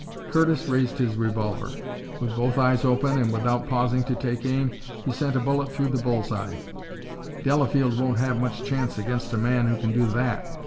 Curtis raised his revolver. With both eyes open and without pausing to take aim, he sent a bullet through the bull's eye. "Delafield won't have much chance against a man who can do that!"